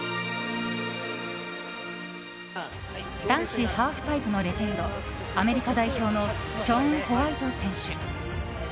男子ハーフパイプのレジェンドアメリカ代表のショーン・ホワイト選手。